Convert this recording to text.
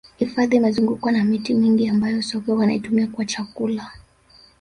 hifadhi imezungukwa na miti mingi ambayo sokwe wanaitumia kwa chakula